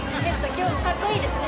今日もかっこいいですね。